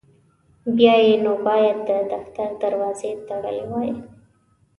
بیا یې نو باید د دفتر دروازې تړلي وای.